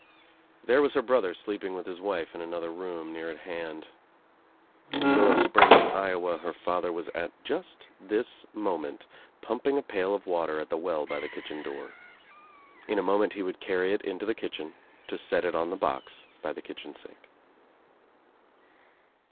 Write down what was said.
There was her brother sleeping with his wife in another room near at hand. In Willow Springs, Iowa, her father was at just this moment pumping a pail of water at the well by the kitchen door. In a moment he would carry it into the kitchen to set it on the box by the kitchen sink.